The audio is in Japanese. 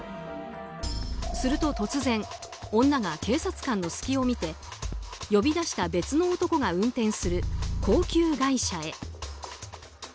すると突然女が警察官の隙を見て呼び出した別の男が運転する高級外車へ。